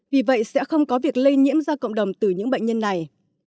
vì vậy sẽ không có việc lây nhiễm ra cộng đồng từ những bệnh nhân này